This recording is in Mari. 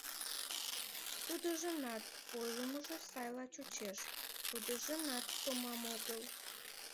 Тудыжынат ойлымыжо сайла чучеш, тудыжынат томам огыл.